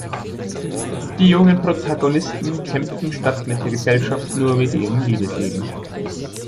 Die jungen Protagonisten kämpfen statt mit der Gesellschaft nur mit ihrem Liebesleben.